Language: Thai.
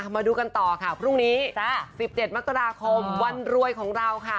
มาดูกันต่อค่ะพรุ่งนี้๑๗มกราคมวันรวยของเราค่ะ